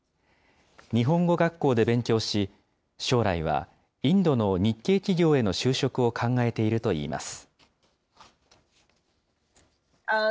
日本語学校で勉強し、将来はインドの日系企業への就職を考えているといいます。